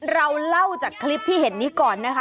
เราเล่าจากคลิปที่เห็นนี้ก่อนนะคะ